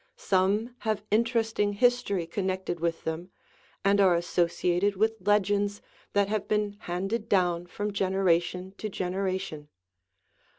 Some have interesting history connected with them and are associated with legends that have been handed down from generation to generation.